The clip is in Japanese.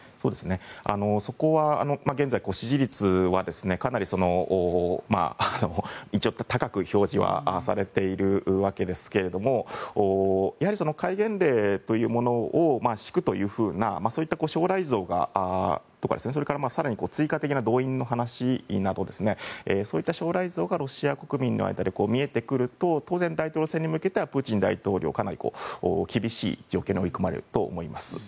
そこは現在、支持率はかなり、一応高く表示はされているわけですがやはり戒厳令というものを敷くというそういった将来像とかそれから追加的な増員の話などロシア国民の間で見えてくると当然、大統領選に向けてプーチン大統領はかなり厳しい状況に追い込まれると思います。